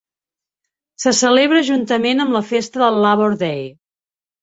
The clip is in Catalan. Se celebra juntament amb la festa del Labor Day.